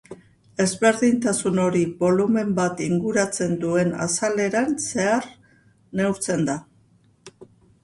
Ezberdintasun hori bolumen bat inguratzen duen azaleran zehar neurtzen da.